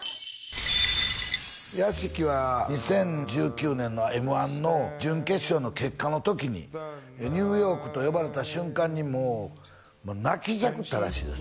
屋敷は２０１９年のＭ−１の準決勝の結果の時にニューヨークと呼ばれた瞬間にもう泣きじゃくったらしいですね